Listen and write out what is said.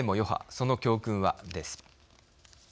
その教訓は、です。